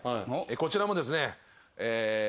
こちらもですね。